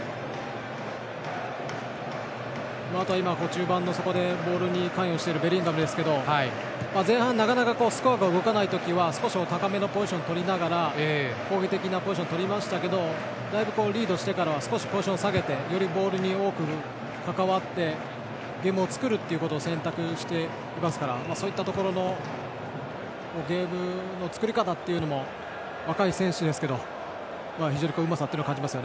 中盤の底でボールに関与しているベリンガムですが前半、なかなかスコアが動かない時は少し高めのポジションをとりながら攻撃的なポジションとりましたがだいぶリードしてからは少しポジションを下げてボールに多く関わってゲームを作るということを選択していますからそういったところのゲームの作り方も若い選手ですが非常にうまさを感じます。